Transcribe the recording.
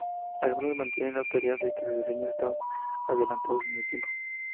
Algunos mantenían la teoría de que sus diseños estaban adelantados en el tiempo.